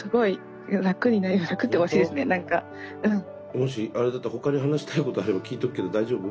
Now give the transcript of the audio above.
もしあれだったら他に話したいことあれば聞いとくけど大丈夫？